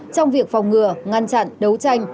trong việc phòng ngừa ngăn chặn đấu tranh